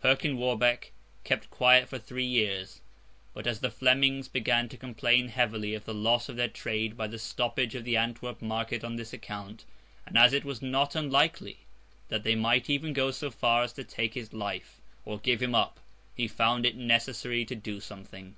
Perkin Warbeck kept quiet for three years; but, as the Flemings began to complain heavily of the loss of their trade by the stoppage of the Antwerp market on his account, and as it was not unlikely that they might even go so far as to take his life, or give him up, he found it necessary to do something.